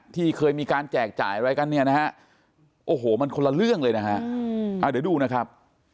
ที่เคยมีการแจกจ่ายอะไรกันมันคนละเรื่องเลยนะครับเดี๋ยวดูนะครับ